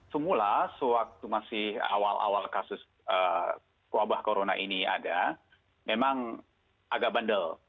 semula sewaktu masih awal awal kasus wabah corona ini ada memang agak bandel